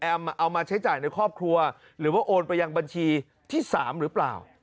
เอามาใช้จ่ายในครอบครัวหรือว่าโอนไปยังบัญชีที่๓หรือเปล่า